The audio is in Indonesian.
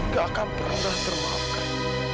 gak akan pernah termaafkan